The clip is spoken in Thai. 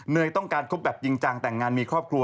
ต้องการคบแบบจริงจังแต่งงานมีครอบครัว